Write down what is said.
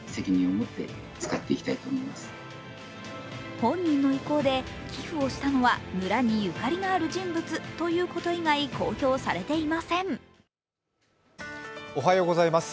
本人の意向で寄付をしたのは村にゆかりのある人物ということ以外公表されていません。